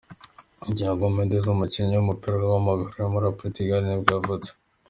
Tiago Mendes, umukinnyi w’umupira w’amaguru wo muri Portugal nibwo yavutse.